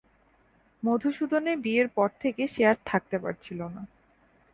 মধুসূদনের বিয়ের পর থেকে সে আর থাকতে পারছিল না।